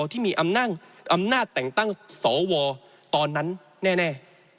ที่มีอำนาจแต่งตั้งสวตอนนั้นแน่